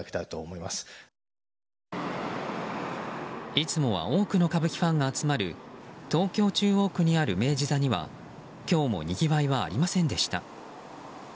いつもは多くの歌舞伎ファンが集まる東京・中央区にある明治座には今日もにぎわいはありませんでした。